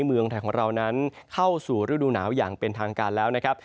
เมืองไทยของเรานั้นเข้าสู่ฤดูหนาวอย่างเป็นทางการแล้วนะครับ